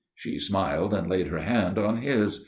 She smiled and laid her hand on his.